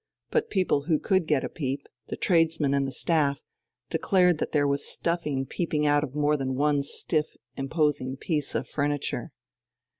But people who could get a peep, the tradesmen and the staff, declared that there was stuffing peeping out of more than one stiff, imposing piece of furniture.